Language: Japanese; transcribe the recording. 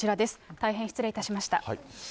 大変失礼いたしました。